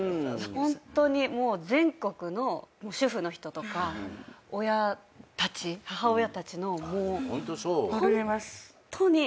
ホントにもう全国の主婦の人とか親たち母親たちのもうホントに。